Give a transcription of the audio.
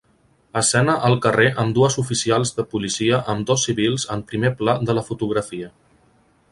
Escena al carrer amb dues oficials de policia amb dos civils en primer pla de la fotografia.